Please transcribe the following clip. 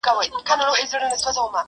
o مات لاس د غاړي امېل دئ!